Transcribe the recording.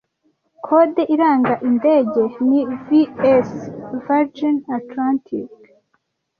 Kode iranga indege ni VS Virgin Atlantic